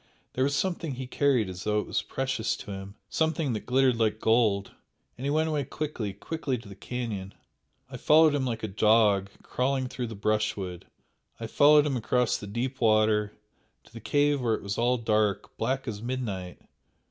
"There was something he carried as though it was precious to him something that glittered like gold, and he went away quickly quickly to the canyon, I followed him like a dog, crawling through the brushwood I followed him across the deep water to the cave where it was all dark black as midnight!"